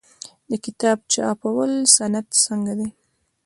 د کتاب چاپولو صنعت څنګه دی؟